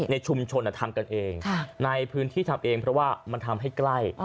ในชุมชนทำกันเองในพื้นที่ทำเองเพราะว่ามันทำให้ใกล้